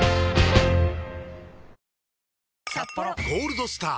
「ゴールドスター」！